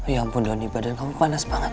ya ampun doni badan kamu panas banget